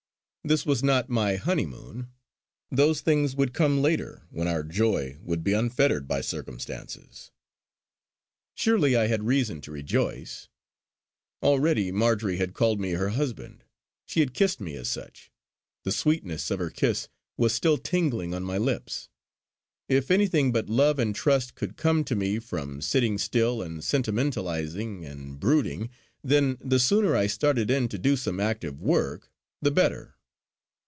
This was not my honeymoon. Those things would come later, when our joy would be unfettered by circumstances. Surely I had reason to rejoice. Already Marjory had called me her husband, she had kissed me as such; the sweetness of her kiss was still tingling on my lips. If anything but love and trust could come to me from sitting still and sentimentalising and brooding, then the sooner I started in to do some active work the better!...